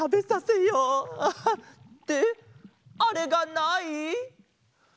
ってあれがない？